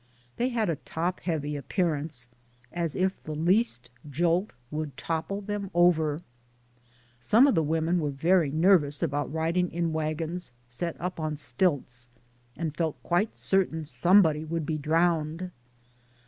They had a top heavy appearance, as if the least jolt would topple them over. Some of the women were very nervous about riding in wagons set up on stilts, and felt quite certain somebody would be drowned.